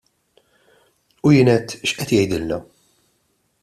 U jien għedt: X'qed jgħidilna?